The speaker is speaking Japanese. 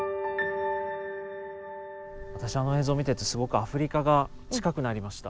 私あの映像を見ていてすごくアフリカが近くなりました。